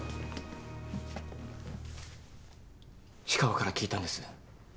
氷川から聞いたんです。